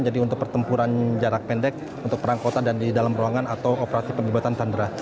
jadi untuk pertempuran jarak pendek untuk perang kota dan di dalam ruangan atau operasi penyebatan sandera